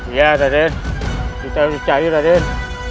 iya raden kita harus mencari raden